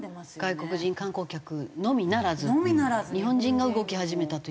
外国人観光客のみならず日本人が動き始めたという。